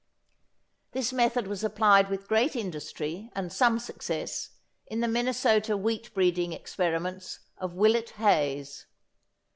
This method was applied with great industry and some success in the Minnesota wheat breeding experiments of Willett Hays.